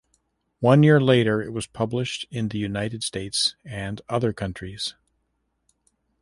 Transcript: One year later it was published in the United States and other countries.